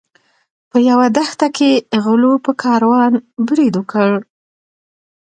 په یوه دښته کې غلو په کاروان برید وکړ.